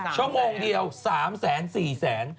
ชั่วโมงเดียว๓แสน๔แสน